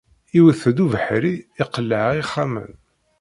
Iwwet-d ubeḥri, iqelleɛ ixxamen